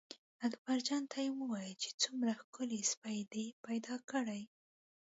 اکبرجان ته یې وویل چې څومره ښکلی سپی دې پیدا کړی.